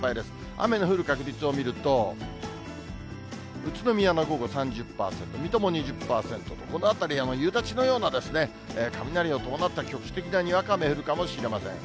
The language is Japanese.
雨の降る確率を見ると、宇都宮の午後３０％、水戸も２０％と、この辺りは夕立のような雷の伴った局地的なにわか雨、降るかもしれません。